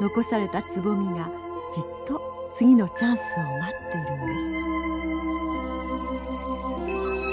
残されたつぼみがじっと次のチャンスを待っているんです。